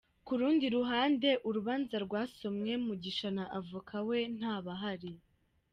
Ku rundi ruhande, urubanza rwasomwe Mugisha na Avoka we nta bahari.